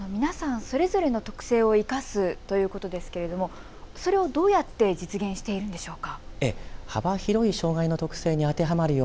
皆さんそれぞれの特性を生かしたいうことですけれども、それをどうやって実現しているんでしょうか。